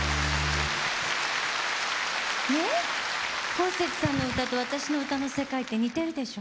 こうせつさんの歌と私の歌の世界って似てるでしょ？